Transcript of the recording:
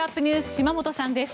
島本さんです。